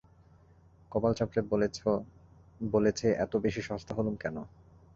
কপাল চাপড়ে বলেছে এত বেশি সস্তা হলুম কেন?